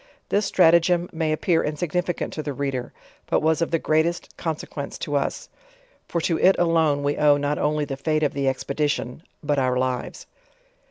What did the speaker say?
This strat agem may appear insignificant to the reader, but was of the greatest consequence to us; for to it alone we owe not only the fate of the expedition, but our lives.